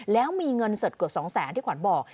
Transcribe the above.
แล้วมีเงินเสร็จกว่า๒๐๐๐๐๐บาทที่ขวัญบอก